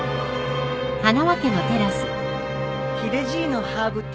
ヒデじいのハーブティー